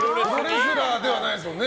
プロレスラーではないですよね。